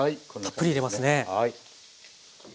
たっぷり入れますね。